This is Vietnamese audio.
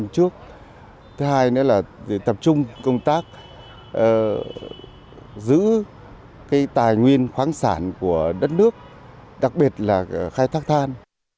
triển khai các đợt gia quân